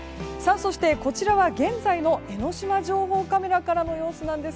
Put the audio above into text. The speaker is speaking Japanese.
そして、こちらは現在の江の島情報カメラからの様子です。